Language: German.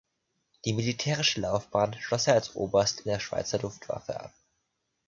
Die militärische Laufbahn schloss er als Oberst in der Schweizer Luftwaffe ab.